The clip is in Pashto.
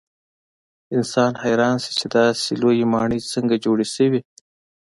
انسان حیران شي چې داسې لویې ماڼۍ څنګه جوړې شوې.